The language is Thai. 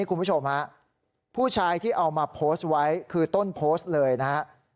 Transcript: คุณพระโชคมาผู้ชายที่เอามาโพสต์ไว้คือต้นโพสต์เลยนะ